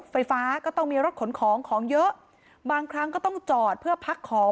ไฟฟ้าก็ต้องมีรถขนของของเยอะบางครั้งก็ต้องจอดเพื่อพักของ